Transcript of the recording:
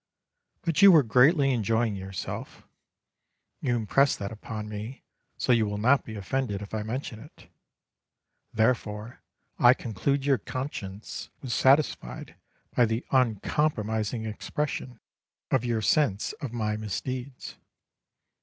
But you were greatly enjoying yourself (you impress that upon me, so you will not be offended if I mention it), therefore I conclude your conscience was satisfied by the uncompromising expression of your sense of my misdeeds.